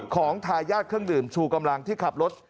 ทายาทเครื่องดื่มชูกำลังที่ขับรถ